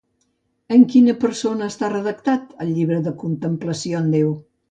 En quina persona està redactat El Llibre de contemplació en Déu?